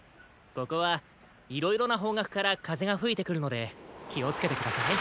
ここはいろいろなほうがくからかぜがふいてくるのできをつけてください。